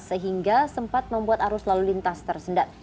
sehingga sempat membuat arus lalu lintas tersendat